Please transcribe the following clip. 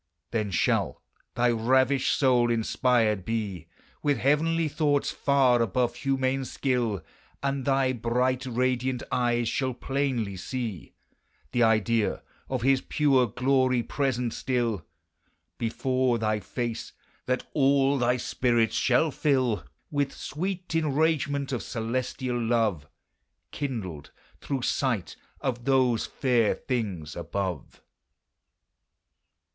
Then shall thy ravisht soule inspired bee With heavenly thoughts farre above humane skil, And thy bright radiant eyes shall plainely see The idee of his pure glorie present still Before thy face, that all thy spirits shall fill With sweet enragement of celestiall love, Kindled through sight of those faire things above.